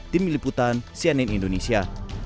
tim liputan cnn indonesia